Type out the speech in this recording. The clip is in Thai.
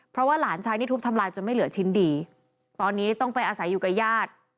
เพราะว่าหลานชายนี่ทุบทำลายจนไม่เหลือชิ้นดีตอนนี้ต้องไปอาศัยอยู่กับญาติ